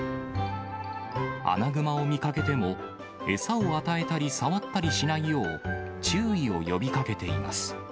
アナグマを見かけても、餌を与えたり、触ったりしないよう、注意を呼びかけています。